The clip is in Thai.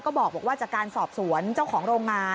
บอกว่าจากการสอบสวนเจ้าของโรงงาน